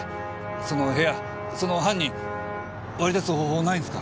その部屋その犯人割り出す方法ないんですか？